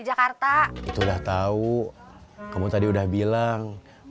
pak helan terima kasih sudah menonton